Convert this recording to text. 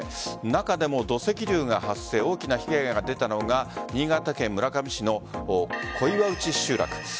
中でも土石流が発生大きな被害が出たのが新潟県村上市の小岩内集落。